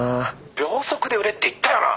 秒速で売れって言ったよな！